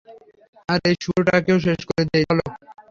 আর এই শুয়োরটাকেও শেষ করে দেই চলো!